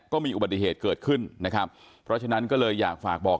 ก็มีอุบัติเหตุเกิดขึ้นนะครับเพราะฉะนั้นก็เลยอยากฝากบอก